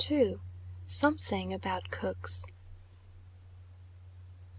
SOMETHING ABOUT COOKS.